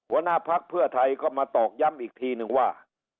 หัวหน้าพักเพื่อไทยก็มาตอกย้ำอีกทีนึงว่า